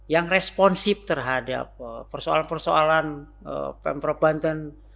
yang responsif terhadap persoalan persoalan pemprov banten